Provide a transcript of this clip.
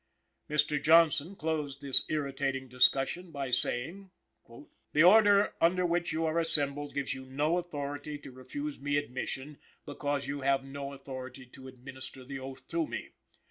Mr. Johnson closed this irritating discussion by saying: "The order under which you are assembled gives you no authority to refuse me admission because you have no authority to administer the oath to me.